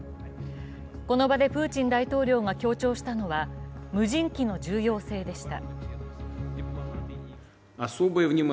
この場でプーチン大統領が強調したのは無人機の重要性でした。